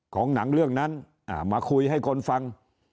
ของหนังเรื่องนั้นมาคุยให้คนฟัง